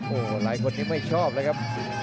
โอ้หลายคนไม่ชอบเลยครับ